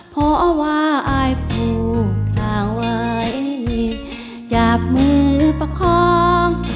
เพราะว่าอายผูกทางไว้จับมือประคอง